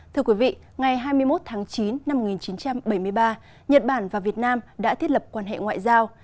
thưa quý vị ngày hai mươi một tháng chín năm một nghìn chín trăm bảy mươi ba nhật bản và việt nam đã thiết lập quan hệ ngoại giao